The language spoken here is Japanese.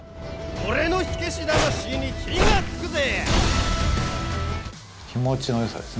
俺の火消し魂に火がつくぜ！！